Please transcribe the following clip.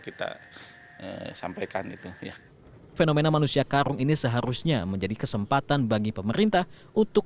kita sampaikan itu ya fenomena manusia karung ini seharusnya menjadi kesempatan bagi pemerintah untuk